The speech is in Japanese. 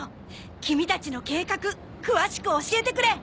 キミたちの計画詳しく教えてくれ！